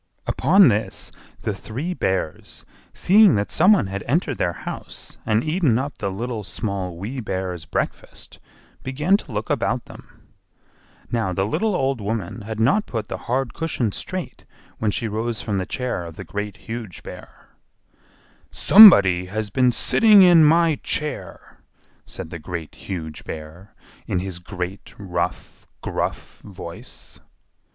Upon this the three Bears, seeing that some one had entered their house and eaten up the Little, Small, Wee Bear's breakfast, began to look about them. Now the little old woman had not put the hard cushion straight when she rose from the chair of the Great, Huge Bear. "SOMEBODY HAS BEEN SITTING IN MY CHAIR!" said the Great, Huge Bear, in his great, rough, gruff voice.